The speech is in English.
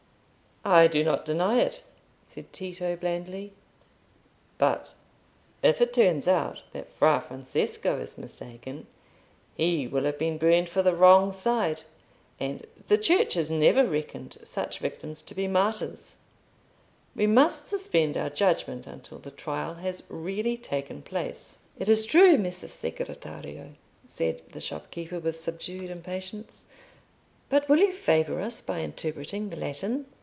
"I do not deny it," said Tito, blandly. "But if it turns out that Fra Francesco is mistaken, he will have been burned for the wrong side, and the Church has never reckoned such victims to be martyrs. We must suspend our judgment until the trial has really taken place." "It is true, Messer Segretario," said the shopkeeper, with subdued impatience. "But will you favour us by interpreting the Latin?"